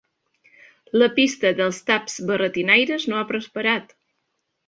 La pista dels taps barretinaires no ha prosperat.